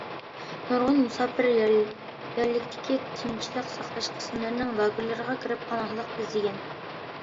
نۇرغۇن مۇساپىر يەرلىكتىكى تىنچلىق ساقلاش قىسىملىرىنىڭ لاگېرلىرىغا كىرىپ، پاناھلىق ئىزدىگەن.